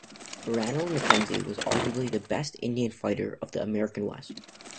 Ranald Mackenzie was arguably the best Indian fighter of the American West.